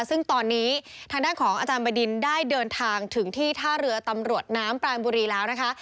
ซึ่งตอนนี้ทางด้านของอาจารย์บดินได้เดินทางถึงที่ท่าเรือตำรวจน้ำปรานบุรีแล้วนะคะ